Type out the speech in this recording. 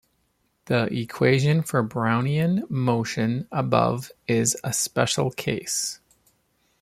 The equation for Brownian motion above is a special case.